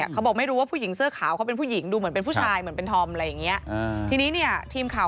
เขาบอกว่าผู้หญิงเมย์เสื้อขาว